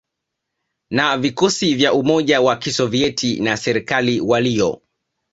na vikosi vya umoja wa Kisoviet na serikali waliyo